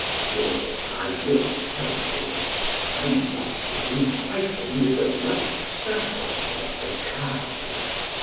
"Lord, I will tell thee, I lost it in fighting with the Black Serpent of the Carn.